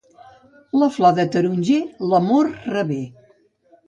La flor de taronger l'amor revé.